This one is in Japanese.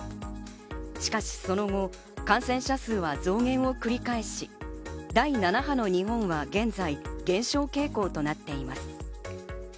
しかし、その後、感染者数は増減を繰り返し、第７波の日本は現在、減少傾向となっています。